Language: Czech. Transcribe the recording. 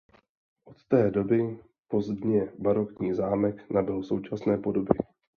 Od té doby pozdně barokní zámek nabyl současné podoby.